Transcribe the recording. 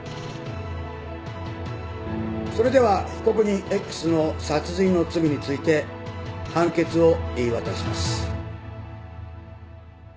それでは被告人Ｘの殺人の罪について判決を言い渡します。